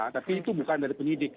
tapi itu bukan dari penyidik